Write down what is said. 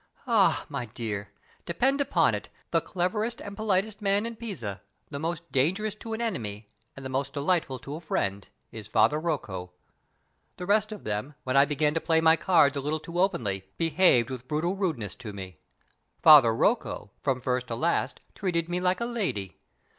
Ah, my dear! depend upon it, the cleverest and politest man in Pisa, the most dangerous to an enemy and the most delightful to a friend, is Father Rocco. The rest of them, when I began to play my cards a little too openly, behaved with brutal rudeness to me. Father Rocco, from first to last, treated me like a lady.